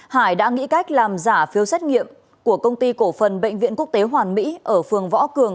hải đã nghĩ cách làm giả phiếu xét nghiệm của công ty cổ phần bệnh viện quốc tế hoàn mỹ ở phường võ cường